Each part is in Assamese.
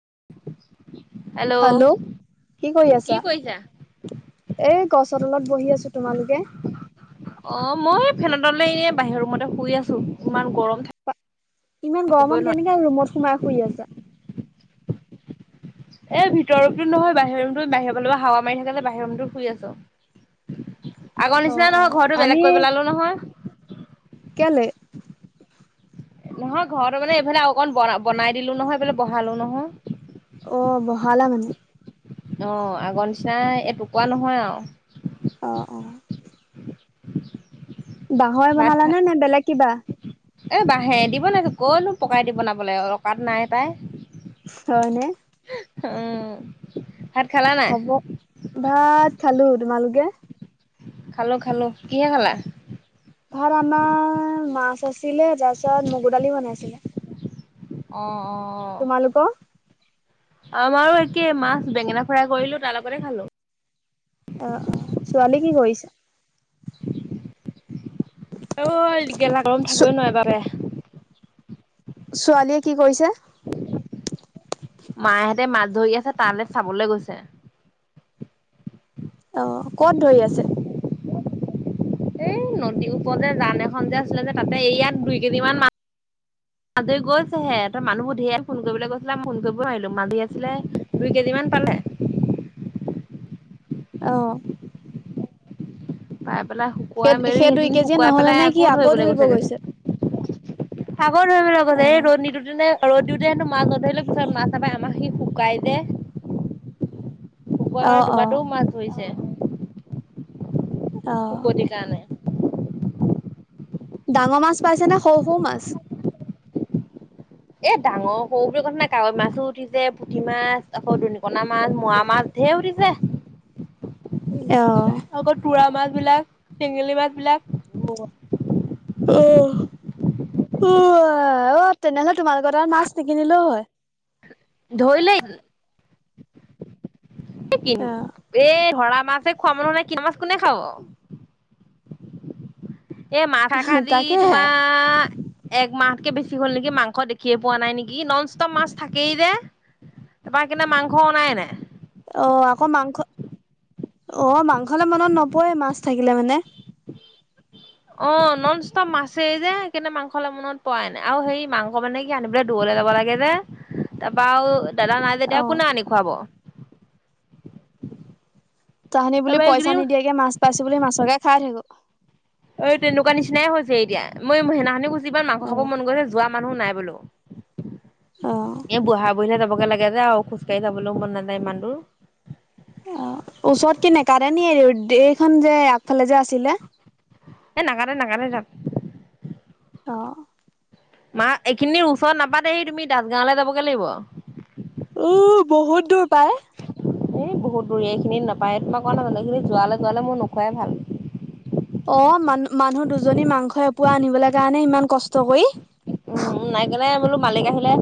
[inaudible] হেল্ল' কি কৰি আছা? এ গছৰ তলত বহি আছো তোমালোকে অ মই ফেনতলে এনে বাহিৰ মতে শুই আছো ইমান গৰম থাক ইমান গৰমত কেনেকে ৰুমত সোমাই শুই আছে। এই ভিতৰতো নহয় বাহিৰ ৰুমতো বাহিৰৰালৰ হাৱা মাৰি থাকিলে বাহিৰ ৰুমতো শুই আছো। আগৰ অ', নিচিনা নহয় অ'। ঘৰটো আমি বেলেগ কৰি পেলালো নহয়। কেলে নহয় ঘৰত মানে এইফালে অকন ব বনাই দিলো নহয় এইফালে বহালো নহয়। অ' বহালা মানে। অ আগৰ নিচনা এটুকা নহয় আৰু অঁ অঁ। বাঁহৰে ভাত খা বনালানে নে বেলেগ কিবা? এ বাঁহে দিবনাইছো কনো পকাই দি বনাবলৈ অকাত নাই পাই। হয়নে? উম। ভাত খালা নাই? হ'ব ভাত খালো তোমালোকে? খালো খালো কিহে খালা? ভাত আমাৰ মাছ আছিলে, তাৰপিছত মগুৰ দালি বনাইছিলে, আহ অ। তোমালোকৰ? আমাৰো একে মাছ বেঙেনা ফ্ৰাই কৰিলো তাৰ লগতে খালো। অ অ ছোৱালী কি কৰিছে? অ গেলা গৰম থাকই নোৱাৰাৰে পাপে। ছোৱালীয়ে কি কৰিছে? মাহঁতে মাছ ধৰি আছে তালৈ চাবলৈ গৈছে। অ কত ধৰি আছে? এই নদীৰ ওপৰ যান এখন যে আছিলে যে তাতে এইয়াত দুই কেজি মান মাছ। আজি গৈছেহে মানুহবোৰ ধেৰ ফোন কৰিবলৈ কৈছিলাম ফোন কৰিব নোৱাৰিলো মাজী আছিলে দুই কেজি মান পালে। [unintelligible] আহ পাই পেলাই সেই, শুকুৱাই মেলি সেই দুই সেইখিনি কেজিয়ে শুকুৱাই নহ'লে পেলাই নে কি আকৌ ধৰিব ল গৈছেগে। গৈছে? সাগৰ ধৰিব লগত অ'। এই ৰ'দ নিদিতে ন ৰ'দ দিওঁতে। মা গধৰিলে পিছত মা তাপাই আমাক সি শুকাই যে। শুকোৱাৰ অ কাৰণে অ দুবাৰটোও মাছ ধৰিছে। অ শুকতি কাৰণে। ডাঙৰ মাছ পাইছে নে সৰু সৰু মাছ। এ ডাঙৰ সৰু বুলি কথা নাই কাৱৈ মাছো উঠিছে, পুঠি মাছ। আকৌ দনিকনাা মাছ মোৱা মাছ ধেৰ উঠিছে। অ আকৌ তোৰা মাছ, বিলাক টেঙেলী মাছ, বিলাক আহ উ অ তেনেহলে তোমালোকত আৰু মাছ নিকিনিলেও হয় ধৰিলে কি এই অ ধৰা মাছে খোৱা মানুহ নাই কি মাছ কোনে খাব। এ মাছ এষাৰ দি তাকেহে তোমাৰ একমাহ তকে বেছি হ'ল নেকি মাংস দেখিয়ে পোৱা নাই নেকি নন ষ্টপ মাছ থাকেই যে। ব কিনে মাংস নাই। আহ আকৌ মাংস অ মাংসলে মনত নপৰে মাছ থাকিলে মানে অ নন ষ্টপ মাছেই যে কিন্তনে মাংস হলে মনত পোৱাই নাই আৰু সেই মাংস মানে কি আনিবলৈ দুৱ। লব লাগে যে তাৰপা দাদা নাই অ যেতিয়া কোনে আনি খুৱাব। তাহানি বুলি তাৰপৰা পইচা এইকেইদিন নিদিয়াকে মাছ পাইছো বুলি মাছকে খাই থাকো। এই তেনেকুৱা নিচিনাই হৈছে এতিয়া মই সেনাখনিনি গুছো ইমান মাংস অ খাব মন গৈছে যোৱা মানুহ নাই বো। অ এ বুহ বহনে যাবগে লাগে যে আৰু খোজ কাঢ়ি যাবলৈও মন নাযায় ইমান দোৰ। অ ওচৰত কিনেকাতে নি এইখন যে আগফালে যে আছিলে? এ নাকাটে নাকাটে তাত। অ মা এইখিনিৰ ওচৰত নাপাতে তুমি দাসগাঁৱলে যাবগৈ লাগিব। উ বহুত দূৰ পায়। এই বহুত দূৰ এই খিনিত নাপায় তোমাৰ কোৱা নাই জানো এইখিনি যোৱালে যোৱালে মোৰ নোখোৱাই ভাল। অ মানু মানুহ দুজনী মাংস এপোৱা আনিবলৈ কাৰণে ইমান কষ্ট কৰি। উ নাই কেনে বোলো মালিক আহিলে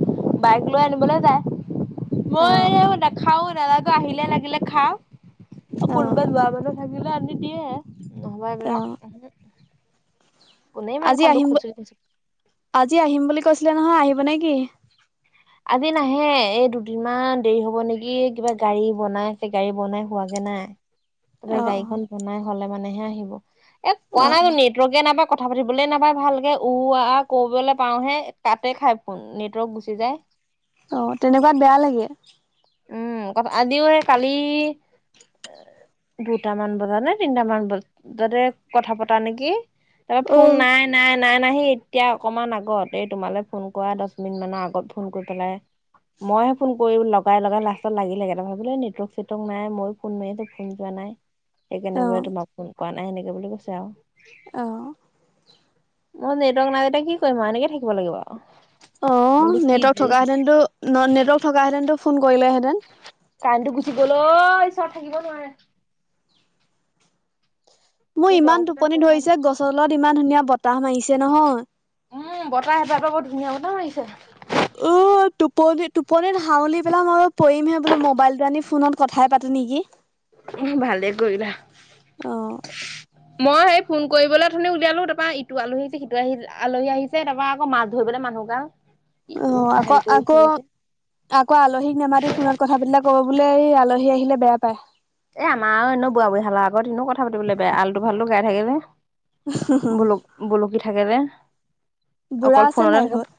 বাইক লৈ আনিবলৈ যায়। অ মই নাখা- খাও নালাগে, আহিলে লাগিলে খাও। অ কোনোবা যোৱা মানুহ থাকিলে আনি দিয়ে। নহব এই অ বিলাক, উমহো। আজি আহিম খুচৰি আজি আহিম বুলি কৈছিলে নহয় আহিব নেকি? আজি নাহে, এই দুদিনমান দেৰি হব নেকি, কিবা গাড়ী বনাইছে, গাড়ী বনাই হোৱাগে নাই। তাপা অ গাড়ীখন বনাই হলে মানেহে আহিব। এ কোৱা অ নাই জানো নেটৱৰ্কে নাপায় কথা পাতিবলে নাপায় ভালকে, উ আ কৰিবলৈ পাওহে, কাতে খাই ফোন, নেটৱৰ্ক গুচি যায়। অঁ তেনেকুৱাত বেয়া লাগে। উম ক আজিও এই কালি দুটামান বজাত নে তিনটামান বজাতে কথা পতা নেকি। তাৰপৰা অ ফোন নাই নাই নাই নাহি এতিয়া অকমান আগত, এই তোমালৈ ফোন কৰা দহ মিনিট মানৰ আগত ফোন কৰি পেলাই মই হে ফোন কৰি ল লগাই লগাই লাষ্টত লাগিলেগে, তাৰপৰা ভাবিলো নেটৱৰ্ক চেটৱৰ্ক নাই, মইয়ো ফোন মাৰি আছো ফোন যোৱা নাই। সেইকাৰণে অ বোলে তোমাক ফোন কোৱা নাই সেনেকে বুলি কৈছে আৰু। অহ। মোৰ নেটৱৰ্ক নাই তেতিয়া কি কৰিম আৰু এনেকে থাকিব লাগিব আৰু। মই অঁ বোলো কি নেটৱৰ্ক থকাহেতেনটো নেটৱৰ্ক থকাহেতেনটো কাৰেণ্টো গুচি গল অ ঈশ্বৰ থাকিব নোৱাৰে। মোৰ এই ইমান দমকতে টোপনি বহাই ধৰিছে, গছৰ তলত ইমান ধুনীয়া বতাহ মাৰিছে নহয়। উম বতাহ সেইফালৰ পৰা বৰ ধুনীয়া বতাহ মাৰিছে। উ টোপনি টোপনিত হাউলী পেলাই মই বোলো পৰিমহে বোলো, মোবাইলটো আনি ফোনত কথাই পাতো নেকি। ভালে কৰিলা। অ মই সেই ফোন কৰিবলৈ উঠনি উলিয়ালো, তাৰপৰা ইটো আলহী আহিছে সিটো আহি আলহী আহিছে তাৰপৰা আকৌ মাছ ধৰিবলে মানুহগাল। অ আকৌ আকৌ আকৌ আলহীক নেমাতি ফোনত কথা পাতিলে কব বোলে এই আল- আলহী আহিলে বেয়া পায়। এ আমাৰো আৰু এনেও বুঢ়া বুঢ়ীহালৰ আগত এনেও কথা পাতিবলৈ বেয়া, আলটোফালটো গাই থাকে যে। ব'লক ব'লকি থাকে যে। বুঢ়া আছে নাই ঘৰত?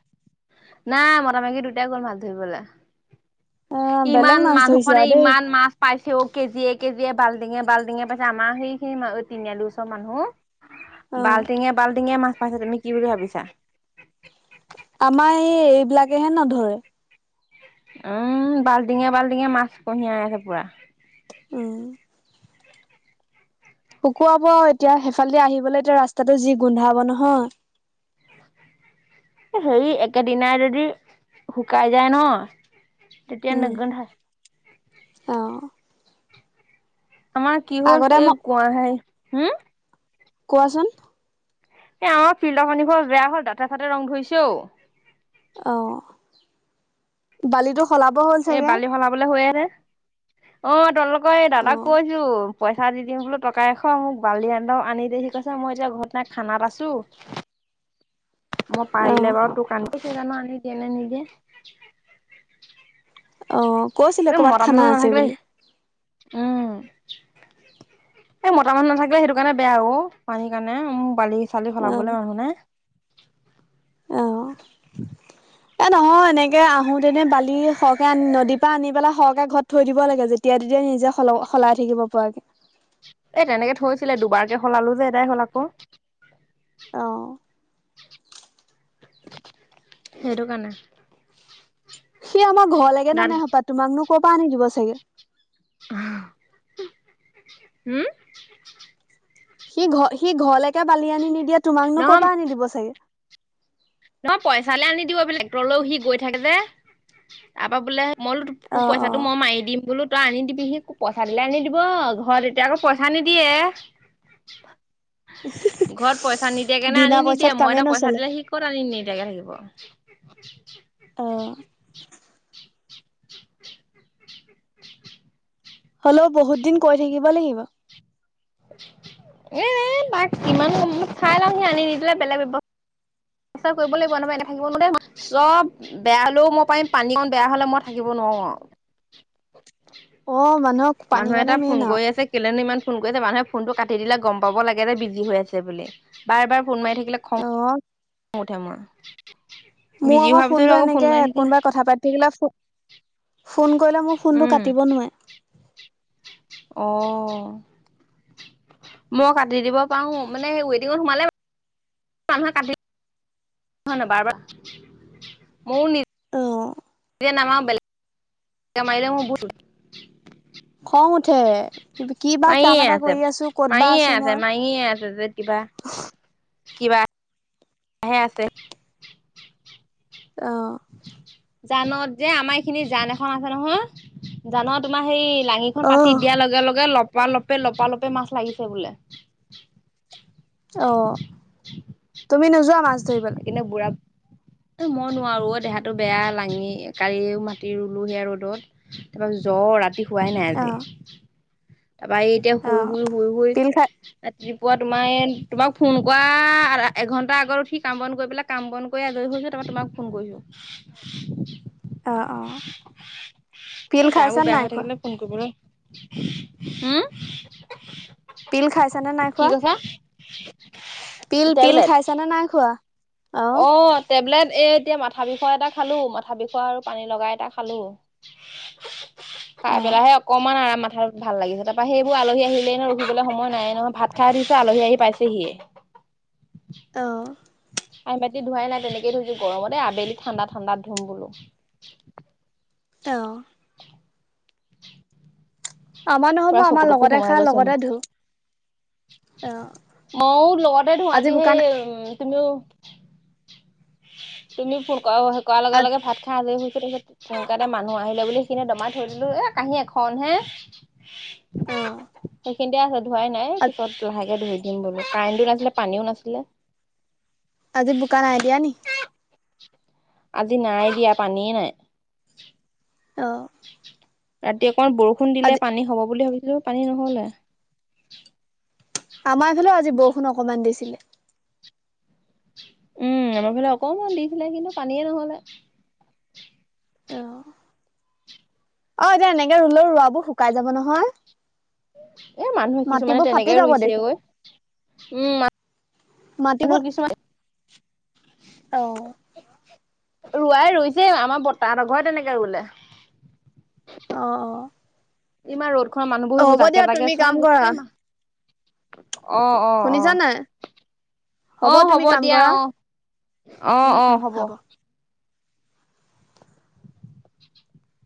নাই মতা মাইকী দুটাই গল মাছ ধৰিবলে। অ বেলেগ ইমান মাছ ধৰিছে মানুহখনে আৰু দেই ইমান মাছ পাইছ- ছে ঔ কেজিয়ে কেজিয়ে বালটিঙে বালটিঙে পাইছে, আমাৰ সেইখিনি তিনিআলিৰ ওচৰ মানুহ। অ বাল্টিঙে বাল্টিঙে মাছ পাইছে তুমি কি বুলি ভাবিছা? আমাৰ এই এইবিলাকেহে নধৰে। উম বাল্টিঙে বাল্টিঙে মাছ কঢ়িয়াই আছে পোৰা। উম। শুকুৱাব আৰু এতিয়া, সেইফালেদি আহিবলৈ এতিয়া ৰাস্তাটো যি গোন্ধাব নহয়। এ হেৰি একেদিনাই যদি শুকাই যায় ন তেতিয়া উম নোগোন্ধায়। অ। আমাৰ কি হ'ল আগতে এই মোক কোঁৱাই সেই, হম? কোৱাচোন? এ আমাৰ ফিল্ডাৰ পানী বৰ বেয়া হল, দাঁতে চাতে ৰং ধৰিছে অ। অহ, বালিটো সলাব হ'ল এ চাগে বালি সলাবলে হৈ আছে অ তোমলোকৰ এই অ দাদাক কৈছো পইচা পিঠা দি দিওঁ বোলো টকা এশ মোক বালি আন্দ আনি দেই ঠিক আছে মই এতিয়া ঘৰত নাই খানাত আছোঁ। মই অ পাৰিলে বাৰু দোকান কেইজানো আনি দিয়ে নে নিদিয়ে? অ। কৈছিলে এই কৰ'বাত খানা মটামানুহ আছে নাথাকিলে বুলি উম। এই মতা মানুহ নাথাকিলে সেইটো কাৰণে বেয়া অ পানীৰ কাৰণে অ বালি চালি অ সলাবলৈ মানুহ নাই। [inaudible] এই নহয় এনেকৈ আহোঁতেনে বালি সৰহকৈ আনি নদীৰ পৰা আনি পেলাই সৰহকৈ ঘৰত থৈ দিব লাগে যেতিয়া তেতিয়া নিজে স সলাই থাকিব পৰাকে এই তেনেকে থৈছিলে দুবাৰকে সলালো যে এটাই হ'ল আক অহ সেইটো কাৰণে সি আমাৰ ঘৰ লাগে দাদ নানে হপা তোমাকনো কৰ পৰা আনি দিব চাগে। আহ হুম সি ঘৰ সি ঘৰলৈকে বালি আনি নিদিয়ে তোমাকনো কব নহয় পৰা আনি দিব চাগে। নহয় পইচালৈ আনি দিব বোলে টেক্টৰলে সি গৈ থাকে যে। তাৰপৰা বোলে মইলো তোৰ অ', পইচাটো অ', মই মাৰি দিম বোলোত তই আনি দিবি সি পইচা দিলে আনি দিব ঘৰত এতিয়া আকৌ পইচা নিদিয়ে। ঘৰত পইচা নিদিয়ে কেনে আনি বিনা নিদিয়ে পইচাত মই কামেই এতিয়া পইচা নচলে। দিলে সি তিনিটাকে থাকিব অহ [inaudible] হলেও বহুত দিন কৈ থাকিব লাগিব। এ এ বাক কিমান চাই লওঁ সি আনি নিদিলে বেলেগ ব্যৱ পিছে কৰিব লাগিব নাপাই এনে থাকিব নো দেই চব বেয়া হলেও মই পাৰিম পানীকণ বেয়া হ'লে মই থাকিব নোৱাৰো। অ। অ মানুহক পানী মানুহে কণে এটা ফোন মেইন আৰু কৰি আছে কেলে নো ইমান ফোন কৰিছে, মানুহে ফোনটো কাটি দিলে গম পাব লাগে যে বিজি হৈ আছে বুলি, বাৰে বাৰে ফোন মাৰি থাকিলে খং অ', উঠে মোৰ। মোৰ বিজি আকৌ হোৱাৰ পিছত ফোনটো ফোন এনেকে মাৰি থাকিলে কোনোবাই কথা পাতি থাকিলে ফো ফোন কৰিলে মোৰ ফোনটো উম কাটিব নোৱাৰে। অ। মই কাটি দিব পাৰো মানে ৱেডিঙত সোমালে মানুহে কাটি নহয় নহয় বাৰ বাৰ ময়ো নি আহ। এতিয়া নামাওঁ বেলেগ মাৰিলে মই বো খং উঠে। কি বা কাম মায়ীয়ে এটা আছে, কৰি আছো ক'ত বা মায়ীয়ে আছো আছে, মই। মায়ীয়ে আছে যে কিবা কিবাহে আছে? অ', জানত যে আমাৰ এইখিনি জান এখন আছে নহয়, জানৰ তোমাৰ হেৰি লাঙিখন পাতি অ', দিয়াৰ লগে লগে লপা লপে লপা লপে মাছ লাগিছে বোলে। অ', তুমি নোযোৱা মাছ ধৰিবলৈ? কিনে বুঢ়া তে মই নোৱাৰো অ দেহাটো বেয়া লাঙি, কাড়ি, মাতি ৰুলো সেয়া ৰ'দত তাৰপা জ্বৰ ৰাতি খোৱাই নাই আজি। অ', তাৰপৰা এতিয়া শুই অ', শুই শুই শুই পিল খাই আজিপোৱা তোমাৰ তোমাক ফোন কৰা আ এঘণ্টা আগৰ সি কাম বন কৰি পেলাই কাম বন কৰি আজৰি হৈ হৈছে তাৰপৰা তোমাক ফোন কৰিছো। অ', অ', পিল এ খাইছা গাবোৰ নে বেয়া নাই হৈ খোৱা? থাকিলে ফোন কৰিব ৰ! হুম। পিল খাইছা নে নাই কি খোৱা? কৈছা? পিল পিল টেবলেট খাইছা নে নাই খোৱা? অ টেবলেট এ এতিয়া মাথা বিষ এটা খালো মাথা বিষ আৰু পানী লগা এটা খালো। খাই অ'। পেলাই হে অকমান আৰাম ভাল- ভাল লাগিছে, তাৰপৰা সেইবোৰ আলহী আহিলে নো ৰখিব সময় নাই নহয় ভাত খাই দিছে আলহী আহি পাইছেহিয়ে। [inaudible] অ', আই মাতি ধোৱাই নাই তেনেকেই থৈছো গৰমতে আবেলি ঠাণ্ডা ঠাণ্ডাত ধুম বোলো। তে অ। আমাৰ নহব পুৰা চকু আমাৰ তকু লগতে সোমাই খা গৈছে লগতে মোৰ ধো আহ। ময়ও লগতে ধো আজি সেই উম তুমিও তুমি ফোন ক কৰাৰ লগে আজ লগে ভাত খাই আজৰি পিছত তেনেকা এটা মানুহ আহিলে বুলি সেইখিনি দমাই থৈ দিলো এ কাঁহী এখন হে। অহ। খিন্দাই আছে ধোৱাই নাই পিছত লাহেকে ধুই দিম বোলো, কাৰেণ্টও নাছিলে পানীও নাছিলে। আজি বোকা নাই দিয়া নি? আজি নাই দিয়া পানীয়ে নাই? অ। ৰাতি অকমান বৰষুণ দিলে পানী হ'ব বুলি ভাবিছিলো পানী নহলেই। আমাৰ ফালেও আজি বৰষুণ অকমান দিছিলে। উম, আমাৰ ফালে অকমান দিছিলে কিন্তু পানীয়ে নহলে। অ এতিয়া এনেকে ৰুলেও ৰোৱাবোৰ শুকাই যাব নহয়। এ মানুহে কিছুমানে মাটিবোৰ ফাটি তেনেকে যাব ৰুইছে দেখোন। ঐ। উম মা মাটিবত আহ ৰুোৱাই ৰুইছে আমাৰ বতাহতৰ ঘৰত তেনেকে ৰুলে অঁ অঁ ইমান ৰ'দ খনৰ মানুহ বহীবোৰ জাকে তাকে চোৱা কাম কৰা, গোটেই মাহ আহ অ অ শুনিছা নাই? অ তুমি হ'ব কাম দিয়া কৰা, অ অ উম, অ উম, হ'ব [inaudible]